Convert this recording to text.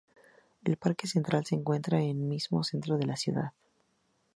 El parque central se encuentra en mismo centro de la ciudad.